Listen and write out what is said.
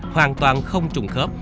hoàn toàn không trùng khớp